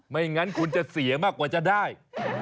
ไม่งั้นคุณจะเสียมากกว่าจะได้